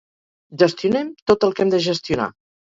Gestionem tot el que hem de gestionar.